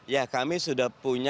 ya kami sudah punya